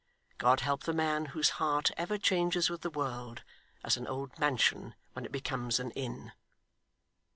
God help the man whose heart ever changes with the world, as an old mansion when it becomes an inn!